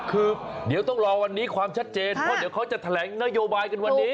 คือเดี๋ยวต้องรอวันนี้ความชัดเจนเพราะเดี๋ยวเขาจะแถลงนโยบายกันวันนี้